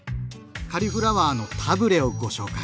カリフラワーのタブレをご紹介。